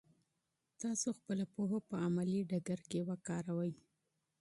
تاسو خپله پوهه په عملي ډګر کې وکاروئ.